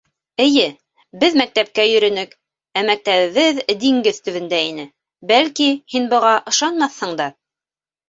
—Эйе, беҙ мәктәпкә йөрөнөк, ә мәктәбебеҙ диңгеҙ төбөндә ине, бәлки һин быға ышанмаҫһың да...